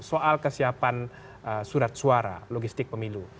soal kesiapan surat suara logistik pemilu